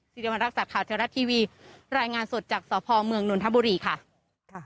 สิริวัณรักษาข่าวเทวรัตน์ทีวีรายงานสดจากสอพอร์เมืองนุณฑบุรีค่ะ